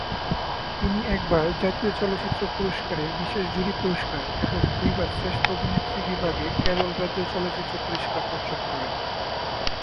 তিনি একবার জাতীয় চলচ্চিত্র পুরস্কারের বিশেষ জুরি পুরস্কার এবং দুইবার শ্রেষ্ঠ অভিনেত্রী বিভাগে কেরল রাজ্য চলচ্চিত্র পুরস্কার অর্জন করেন।